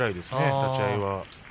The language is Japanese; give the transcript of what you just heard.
立ち合いは。